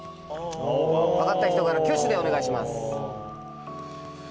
分かった人から挙手でお願いします。